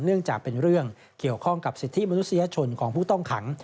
เนื่องจากเป็นเรื่องเกี่ยวข้องกับสิทธิมนุษยชนของผู้ต้องขัง